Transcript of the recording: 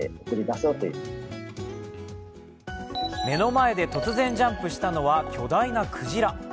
目の前で突然ジャンプしたのは巨大なくじら。